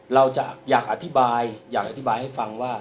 เราจะอยากอธิบายอยากอธิบายให้ฟังว่า